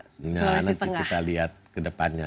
nah nanti kita lihat kedepannya